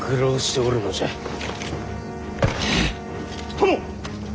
殿。